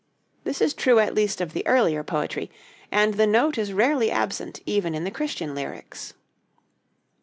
This is true at least of the earlier poetry, and the note is rarely absent even in the Christian lyrics.